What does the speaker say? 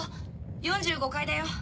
４５階だよ。